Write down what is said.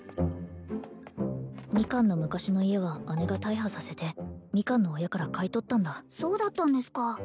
ミカンの昔の家は姉が大破させてミカンの親から買い取ったんだそうだったんですか